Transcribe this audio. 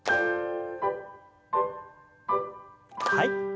はい。